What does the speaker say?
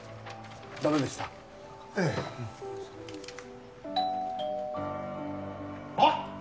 ダメでしたあっ